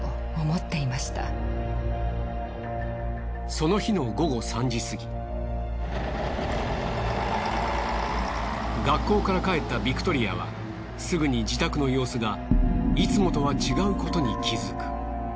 その日の学校から帰ったビクトリアはすぐに自宅の様子がいつもとは違うことに気づく。